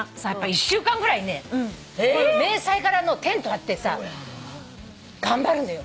１週間ぐらいね迷彩柄のテント張ってさ頑張るのよ。